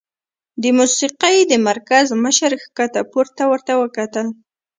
د موسيقۍ د مرکز مشر ښکته پورته ورته وکتل